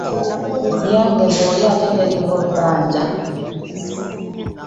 Yange bwoya ate teriiko bbanja.